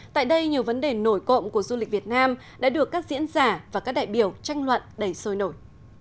tại đây nhiều vấn đề nổi cộng của du lịch việt nam đã được các diễn giả và các đại biểu tranh luận đẩy sôi nổi